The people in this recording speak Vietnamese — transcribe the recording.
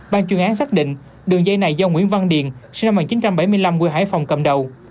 ban chuyên án xác định đường dây này do nguyễn văn điền sinh năm một nghìn chín trăm bảy mươi năm quê hải phòng cầm đầu